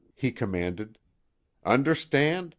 he commanded. "Understand?